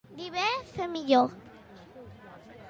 Dir bé, fer millor.